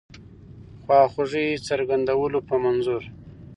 خواخوږی څرګندولو په منظور.